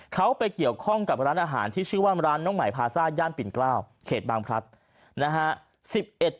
เขาไปเกี่ยวข้องกับร้านอาหารที่ชื่อว่าร้านน้องใหม่พาซ่าย่านปิ่นเกล้าวเขตบางพลัดนะฮะ